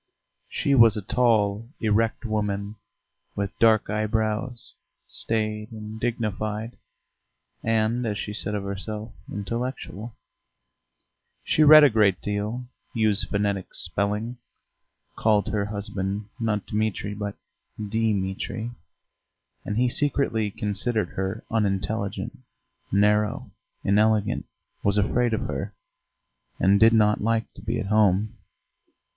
She was a tall, erect woman with dark eyebrows, staid and dignified, and, as she said of herself, intellectual. She read a great deal, used phonetic spelling, called her husband, not Dmitri, but Dimitri, and he secretly considered her unintelligent, narrow, inelegant, was afraid of her, and did not like to be at home.